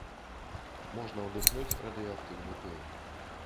Можна удыхнуць радыеактыўны пыл.